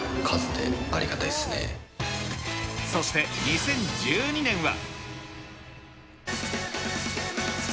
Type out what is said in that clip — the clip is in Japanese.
そして２０１２年は。